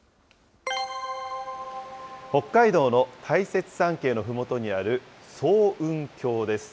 北海道の大雪山系のふもとにある層雲峡です。